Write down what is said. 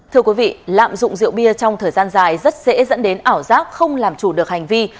thưa quý vị lạm dụng rượu bia trong thời gian dài rất dễ dẫn đến ảo giác không làm chủ được hành vi